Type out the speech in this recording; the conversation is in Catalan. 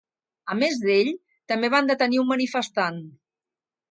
A més d’ell, també van detenir un manifestant.